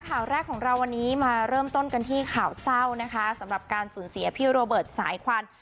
ข่าวแรกของเราวันนี้มาเริ่มต้นกันที่ข่าวเศร้านะคะสำหรับการสูญเสียพี่โรเบิร์ตสายควัน